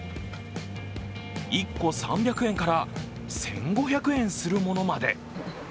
１個３００円から１５００円するものまで。